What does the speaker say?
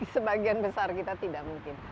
sebagian besar kita tidak mungkin